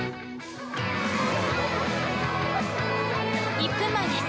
１分前です。